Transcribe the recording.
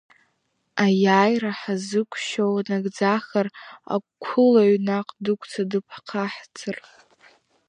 Аиааира ҳаззыгәшьуа нагӡахар, ақәылаҩ наҟ дықәца дыԥхаҳҵар!